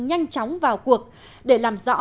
nhanh chóng vào cuộc để làm rõ